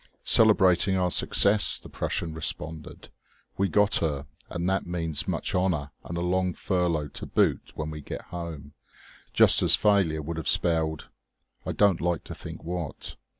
"Celebrating our success," the Prussian responded. "We got her, and that means much honour and a long furlough to boot, when we get home, just as failure would have spelled I don't like to think what.